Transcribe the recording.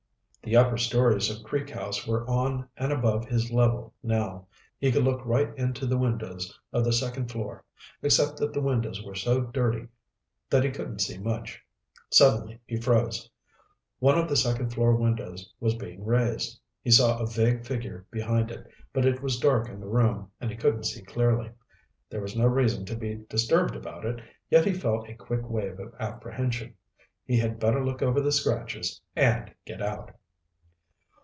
The upper stories of Creek House were on and above his level now. He could look right into the windows of the second floor except that the windows were so dirty that he couldn't see much. Suddenly he froze. One of the second floor windows was being raised. He saw a vague figure behind it, but it was dark in the room and he couldn't see clearly. There was no reason to be disturbed about it, yet he felt a quick wave of apprehension. He had better look over the scratches and get out.